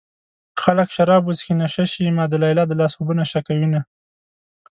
خلک شراب وڅښي نشه شي ما د ليلا د لاس اوبه نشه کوينه